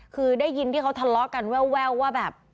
คือได้ยินที่เขาทะเลาะกันแววว่าแบบ